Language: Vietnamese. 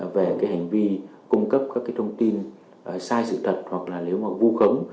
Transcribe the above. về cái hành vi cung cấp các cái thông tin sai sự thật hoặc là nếu mà vu khống